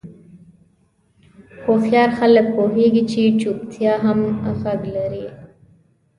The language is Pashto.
هوښیار خلک پوهېږي چې چوپتیا هم غږ لري.